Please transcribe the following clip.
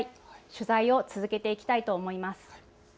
取材を続けていきたいと思います。